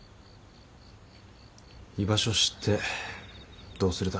居場所知ってどうするだ？